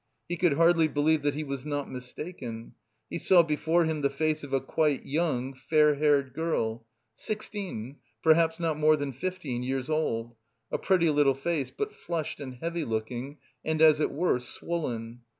He could hardly believe that he was not mistaken. He saw before him the face of a quite young, fair haired girl sixteen, perhaps not more than fifteen, years old, pretty little face, but flushed and heavy looking and, as it were, swollen.